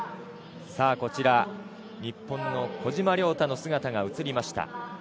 こちら、日本の小島良太の姿が映りました。